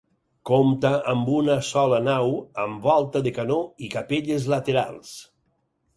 Compta amb una sola nau amb volta de canó i capelles laterals.